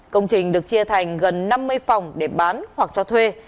công trình được chia thành gần năm mươi phòng để bán hoặc cho thuê